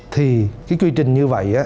thì cái quy trình như vậy